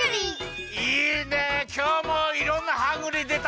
きょうもいろんなハングリーでたね。